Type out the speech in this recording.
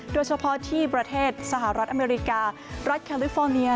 โดยเฉพาะที่ประเทศสหรัฐอเมริการัฐแคลิฟอร์เนีย